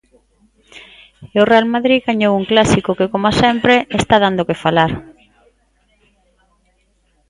E o Real Madrid gañou un clásico que, coma sempre, está dando que falar.